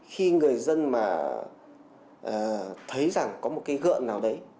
khi người dân mà thấy rằng có một cái gợn nào đấy